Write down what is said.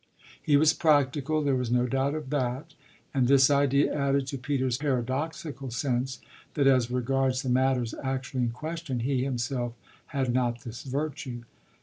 He was practical there was no doubt of that; and this idea added to Peter's paradoxical sense that as regards the matters actually in question he himself had not this virtue.